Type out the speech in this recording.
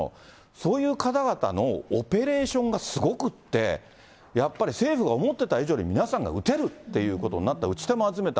そういう方々のオペレーションがすごくって、やっぱり政府が思ってた以上に皆さんが打てるっていうことになって、打ち手も集めた。